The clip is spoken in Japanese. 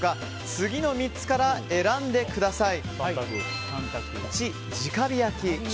次の３つから選んでください。